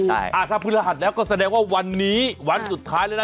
ถ้าพฤหัสแล้วก็แสดงว่าวันนี้วันสุดท้ายแล้วนะ